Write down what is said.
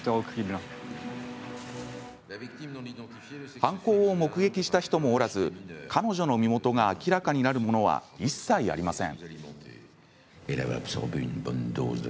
犯行を目撃した人もおらず彼女の身元が明らかになるものは一切ありません。